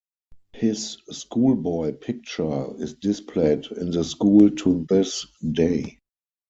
His schoolboy picture is displayed in the school to this day.